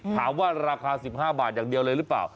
ถามว่าราคา๑๕บาทอย่างเดียวเลยหรือเปล่า